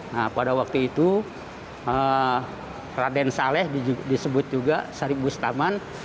nah pada waktu itu raden saleh disebut juga sarip bustaman